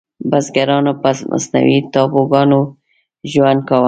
بزګرانو په مصنوعي ټاپوګانو ژوند کاوه.